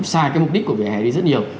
sai cái mục đích của vỉa hè đi rất nhiều